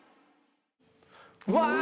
うわ！